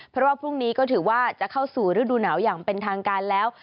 เพราะว่าพรุ่งนี้ก็ถือว่าจะเข้าสู่ฤดูหนาวอย่างเป็นทางการแล้ว